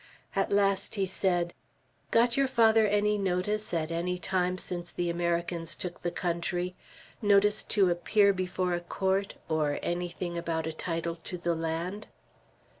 At last he said: "Got your father any notice, at any time since the Americans took the country, notice to appear before a court, or anything about a title to the land?"